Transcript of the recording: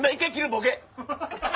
ボケ！